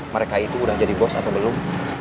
mereka itu udah jadi bos atau belum